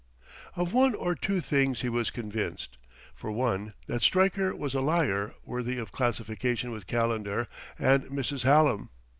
Of one or two things he was convinced; for one, that Stryker was a liar worthy of classification with Calendar and Mrs. Hallam.